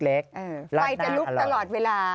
ร้านหน้าอร่อยไฟจะลุกตลอดเวลา